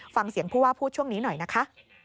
ฟังเสียงผู้ว่าพูดช่วงนี้หน่อยนะคะ